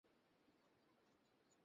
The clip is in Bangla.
যদি ওটা আমি হতাম!